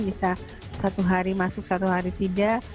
bisa satu hari masuk satu hari tidak